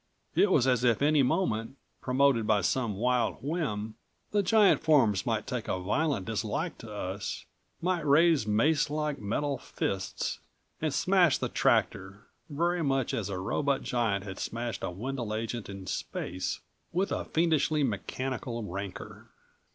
It was as if any moment, promoted by some wild whim, the giant forms might take a violent dislike to us, might raise mace like metal fists and smash the tractor, very much as a robot giant had smashed a Wendel agent in space, with a fiendishly mechanical rancor.